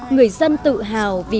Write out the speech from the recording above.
người dân tự hào vì bản dưới